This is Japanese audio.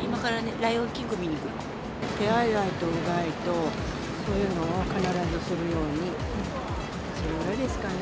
今からライオンキング見に行手洗いとうがいと、そういうのを必ずするように、それぐらいですかね。